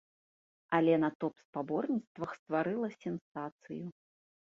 Але на топ-спаборніцтвах стварыла сенсацыю.